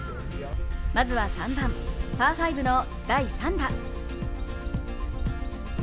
まずは３番、パー５の第３打。